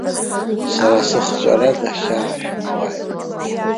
Сара сыхҵәарада хьаа шәмоуааит!